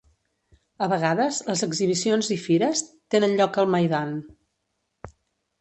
A vegades, les exhibicions i fires tenen lloc al maidan.